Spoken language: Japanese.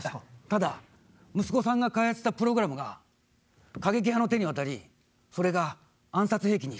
ただ息子さんが開発したプログラムが過激派の手に渡りそれが暗殺兵器に変わってしまうんです。